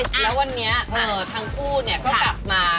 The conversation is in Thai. แล้ววันนี้ทั้งคู่ก็กลับมา